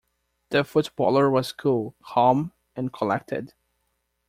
The footballer was cool, calm and collected.